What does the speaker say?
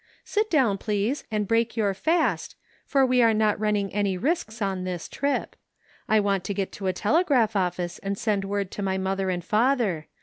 " Sit down, please, and break your fast for we are not running any risks on this trip. I want to get to a telegraph office and send word to my mother and father.